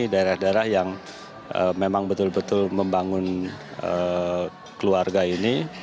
daerah daerah yang memang betul betul membangun keluarga ini